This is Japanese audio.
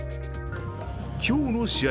今日の試合